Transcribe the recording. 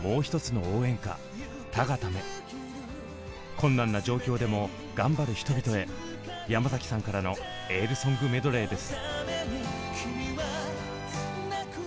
困難な状況でも頑張る人々へ山崎さんからのエールソングメドレーです。